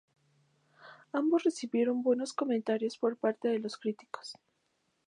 Ambos recibieron buenos comentarios por parte de los críticos.